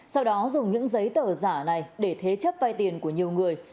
sau đó dùng những giấy tờ giả này để thế chấp vay tiền của nhiều người